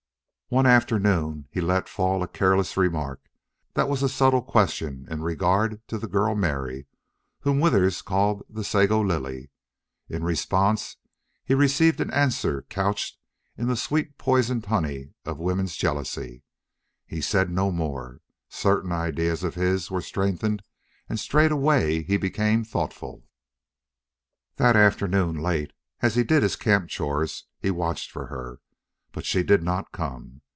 One afternoon he let fall a careless remark that was a subtle question in regard to the girl Mary, whom Withers called the Sago Lily. In response he received an answer couched in the sweet poisoned honey of woman's jealousy. He said no more. Certain ideas of his were strengthened, and straightway he became thoughtful. That afternoon late, as he did his camp chores, he watched for her. But she did not come.